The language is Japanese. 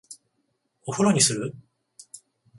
お風呂にする？